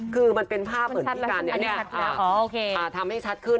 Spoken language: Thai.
คือมันเป็นภาพเหมือนพิการเนี่ยทำให้ชัดขึ้น